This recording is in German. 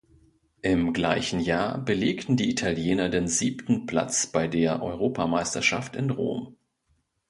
Im gleichen Jahr belegten die Italiener den siebten Platz bei der Europameisterschaft in Rom.